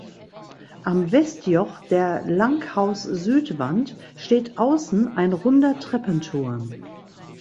Am Westjoch der Langhaussüdwand steht außen ein runder Treppenturm.